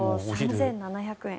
３７００円。